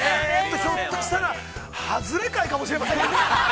ひょっとしたら、外れ回かもしれませんね。